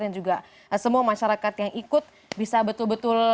dan juga semua masyarakat yang ikut bisa betul betul